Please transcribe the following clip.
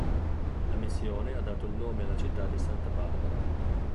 La missione ha dato il nome alla città di Santa Barbara.